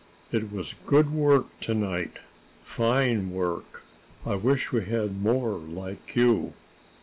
It was good work to night fine work. I wish we had more like you."